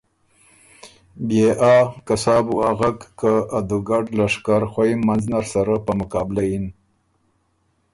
بيې آ که سا بو اغک که ا دُوګډ لشکر خوئ منځ نر سره په مقابله یِن